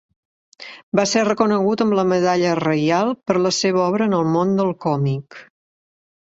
Va ser reconegut amb la medalla reial per la seva obra en el món del còmic.